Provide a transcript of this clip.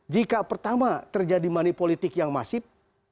jika pertama terjadi money politik yang masif